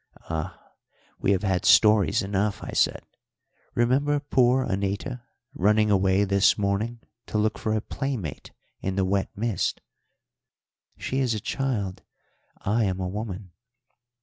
"Ah, we have had stories enough," I said. "Remember poor Anita running away this morning to look for a playmate in the wet mist." "She is a child; I am a woman."